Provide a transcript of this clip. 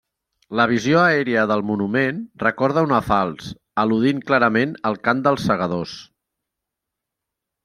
La visió aèria del monument recorda una falç, al·ludint clarament al cant dels Segadors.